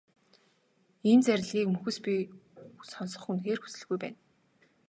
Ийм зарлигийг мөхөс би сонсох үнэхээр хүсэлгүй байна.